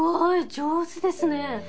上手ですね！